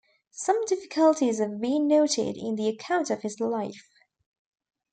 Some difficulties have been noted in the account of his life.